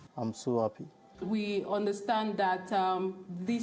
chúng tôi hiểu rằng những người này không có cơ hội sử dụng dịch vụ này